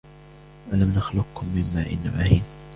ألم نخلقكم من ماء مهين